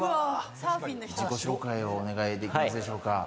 自己紹介をお願いできますでしょうか。